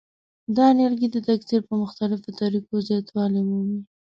دا نیالګي د تکثیر په مختلفو طریقو زیاتوالی مومي.